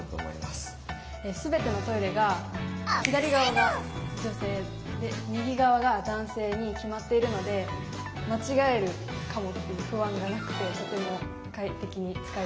全てのトイレが左側が女性で右側が男性に決まっているので間違えるかもっていう不安がなくてとても快適に使えています。